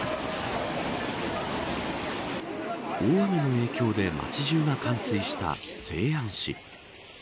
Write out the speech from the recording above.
大雨の影響で街中が冠水した西安市。